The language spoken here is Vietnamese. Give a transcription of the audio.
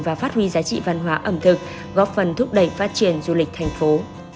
và phát huy giá trị văn hóa ẩm thực góp phần thúc đẩy phát triển du lịch thành phố